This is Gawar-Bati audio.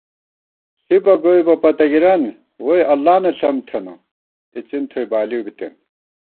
ݪِبہ گوئیبہ پتَہ گِرَن، ووئی اللہ نہ ݪم تھنہ، اِڅِن تھوئی بالِؤ بِتېن